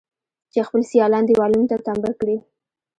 چې خپل سيالان دېوالونو ته تمبه کړي.